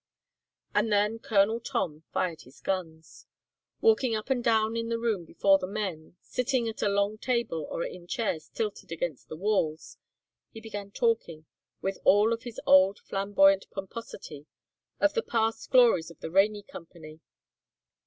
And then Colonel Tom fired his guns. Walking up and down in the room before the men, sitting at a long table or in chairs tilted against the walls, he began talking with all of his old flamboyant pomposity of the past glories of the Rainey Company.